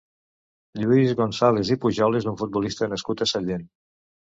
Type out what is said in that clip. Lluís Gonzàlez i Pujol és un futbolista nascut a Sallent.